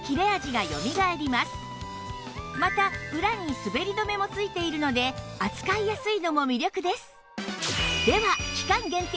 また裏に滑り止めもついているので扱いやすいのも魅力です